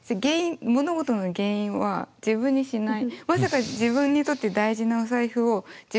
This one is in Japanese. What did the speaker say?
物事の原因は自分にしない。